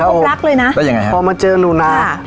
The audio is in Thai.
ว่าพบรักเลยนะได้ยังไงครับพอมาเจอหนูนาครับ